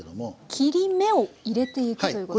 切り目を入れていくということですね。